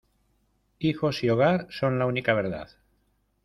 Hijos y hogar, son la única verdad.